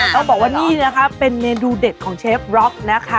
ต้องบอกว่านี่นะคะเป็นเมนูเด็ดของเชฟบล็อกนะคะ